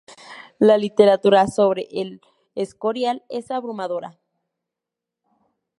La literatura sobre El Escorial es abrumadora.